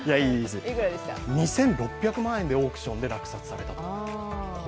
２６００万円でオークションで落札されたと。